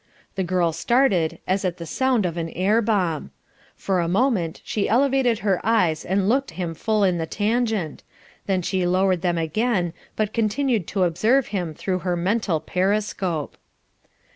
The girl started as at the sound of an air bomb; for a moment she elevated her eyes and looked him full in the tangent, then she lowered them again but continued to observe him through her mental periscope.